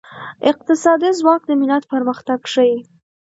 اقتصادي ځواک د ملت پرمختګ ښيي.